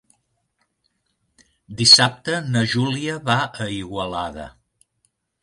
Dissabte na Júlia va a Igualada.